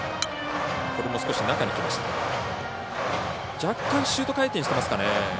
若干シュート回転していますかね。